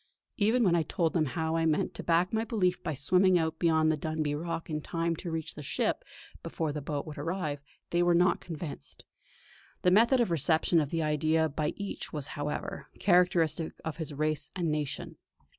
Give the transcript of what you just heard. Even when I told them how I meant to back my belief by swimming out beyond the Dunbuy Rock in time to reach the ship before the boat would arrive, they were not convinced. The method of reception of the idea by each was, however, characteristic of his race and nation.